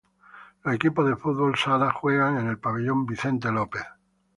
Los equipos de fútbol sala juegan en el Pabellón Vicente López.